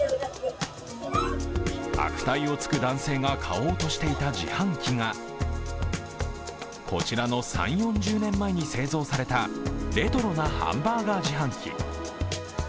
悪態をつく男性が買おうとしていた自販機が、こちらの３０４０年前に製造されたレトロなハンバーガー自販機。